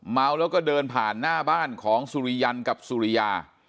เมาแล้วก็เดินผ่านหน้าบ้านของสุริยันกับสุริยา